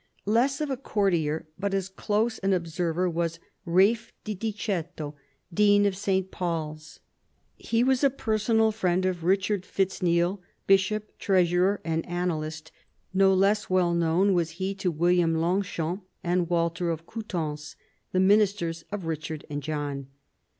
Less of a courtier, but as close an observer, was Ralph de Diceto, Dean of S. Paul's. He was a personal friend of Richard Fitz Neal, bishop, treasurer, and annalist : no less well known was he to William Longchamp and Walter of Coutances, the ministers of Richard and of John.